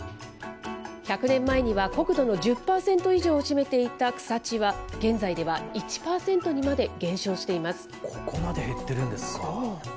１００年前には国土の１０％以上を占めていた草地は、現在では１％にまで減少しています。